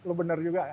lu benar juga